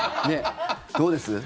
どうです？